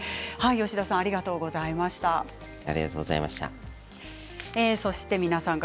吉田さんありがとうございました。